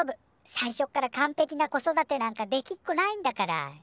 最初から完ぺきな子育てなんかできっこないんだからね。